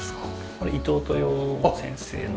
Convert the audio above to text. これ伊東豊雄先生の。